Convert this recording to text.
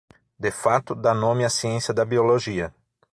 De fato, dá nome à ciência da biologia.